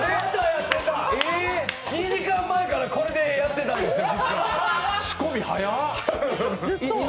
２時間前からこれでやってたんですよ。